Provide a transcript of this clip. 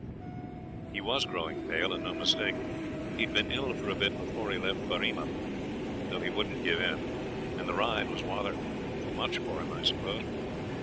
He was growing pale, and no mistake. He had been ill for a bit before he left Berrima, though he wouldn't give in, and the ride was rather too much for him, I suppose.